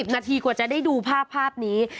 นาทีกว่าจะได้ดูภาพนี้